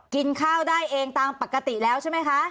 กินข้าวได้เองตามปกติแล้วใช่ไหมคะ